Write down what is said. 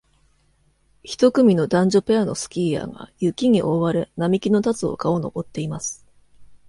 一組の男女ペアのスキーヤーが雪に覆われ、並木の立つ丘を上っています